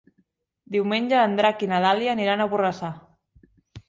Diumenge en Drac i na Dàlia aniran a Borrassà.